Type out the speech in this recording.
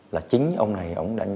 là chính ông này